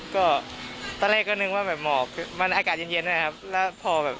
ก็ตอนแรกก็นึกว่าแบบหมอกมันอากาศเย็นนะครับ